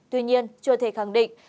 tuy nhiên chưa thể khẳng định